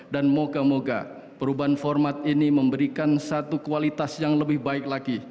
dan moga moga perubahan format ini memberikan satu kualitas yang lebih baik lagi